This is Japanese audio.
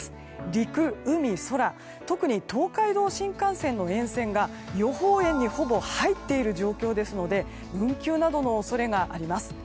陸、海、空特に東海道新幹線の沿線が予報円にほぼ入っている状況ですので運休などの恐れがあります。